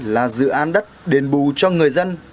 là dự án đất đền bù cho người dân